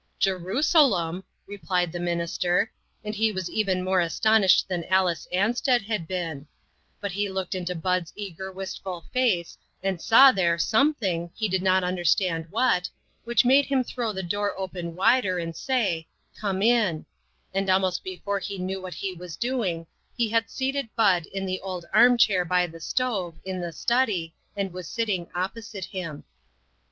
" Jerusalem !" repeated the minister, and he was even more astonished than Alice Ansted had been ; but he looked into Bud's eager, wistful face, and saw there something, he did not understand what, which made him throw the door open wider, and say, " Come in ;" and almost before he knew what he was doing, he had seated Bud in the old arm chair by the stove, in the study, and was sitting opposite him.